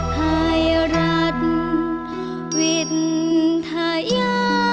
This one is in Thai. ไทยรักเวทยา